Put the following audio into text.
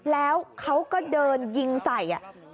แล้วเขาก็เดินยิงใส่